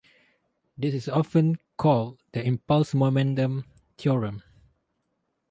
This is often called the impulse-momentum theorem.